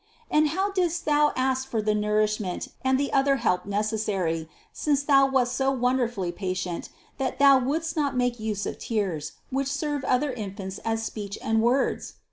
And how didst Thou ask for the nourishment and the other help necessary, since Thou wast so wonderfully patient that Thou wouldst not make use of tears, which serve other infants as speech and words?